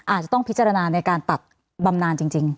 อาจจะต้องพิจารณาในการตัดบำนานจริง